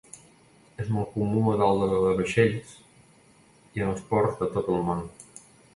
És molt comú a dalt de vaixells i en els ports de tot el món.